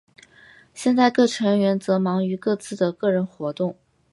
现在各成员则忙于各自的个人活动。